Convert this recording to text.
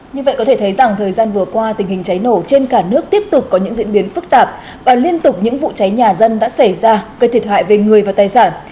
như vậy có thể thấy rằng thời gian vừa qua tình hình cháy nổ trên cả nước tiếp tục có những diễn biến phức tạp và liên tục những vụ cháy nhà dân đã xảy ra gây thiệt hại về người và tài sản